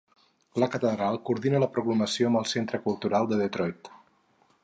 La catedral coordina la programació amb el Centre Cultural de Detroit.